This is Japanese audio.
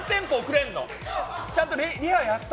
ちゃんとリハやった？